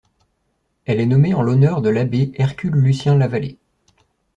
Elle est nommée en l'honneur de l'abbé Hercule-Lucien Lavallée.